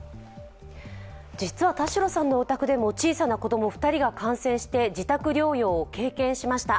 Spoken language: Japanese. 実は田代さんのお宅でも小さなお子さん２人が感染して自宅療養を経験しました。